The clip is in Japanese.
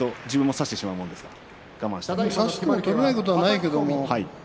差しても取れないことはないけどね